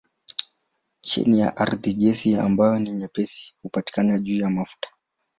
Chini ya ardhi gesi ambayo ni nyepesi hupatikana juu ya mafuta.